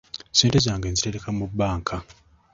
Ssente zange nzitereka mu bbanka.